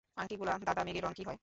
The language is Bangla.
আংটিওলা দাদা, মেঘের রঙ কী হয়?